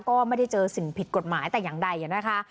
ก็ไม่ได้เจอสิ่งผิดกฎหมายแต่อย่างใดนะคะ